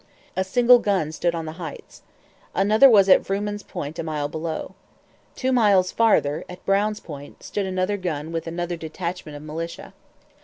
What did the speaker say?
A single gun stood on the Heights. Another was at Vrooman's Point a mile below. Two miles farther, at Brown's Point, stood another gun with another detachment of militia.